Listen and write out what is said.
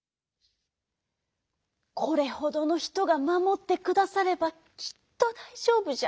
「これほどのひとがまもってくださればきっとだいじょうぶじゃ」。